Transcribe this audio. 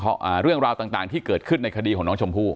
เพราะเรื่องราวต่างที่เกิดขึ้นในคดีของน้องชมพู่